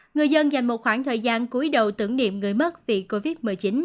người dân dành một khoảng thời gian cuối đầu tưởng niệm người mất vì covid một mươi chín